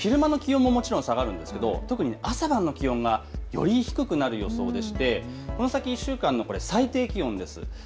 昼間の気温ももちろん下がるんですが特に朝晩の気温がより低くなる予想でしてこの先１週間の最低気温です。